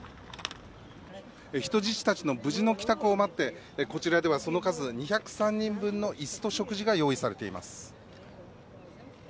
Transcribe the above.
人質たちの無事の帰宅を待ってこちらではその数２０３人分の椅子と食事が用意されています。